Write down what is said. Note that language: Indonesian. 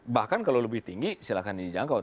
bahkan kalau lebih tinggi silahkan dijangkau